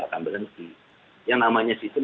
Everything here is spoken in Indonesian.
akan berhenti yang namanya sistem